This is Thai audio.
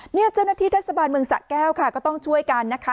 เจ้าหน้าที่เทศบาลเมืองสะแก้วค่ะก็ต้องช่วยกันนะคะ